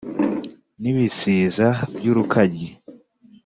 N'ibisiza by'Urukaryi